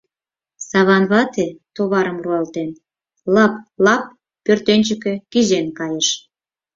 Саван вате, товарым руалтен, лып-лап пӧртӧнчыкӧ кӱзен кайыш.